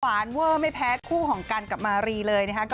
เวอร์ไม่แพ้คู่ของกันกับมารีเลยนะคะ